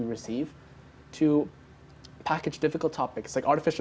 untuk menggabungkan topik topik yang sulit seperti kecerdasan artifisial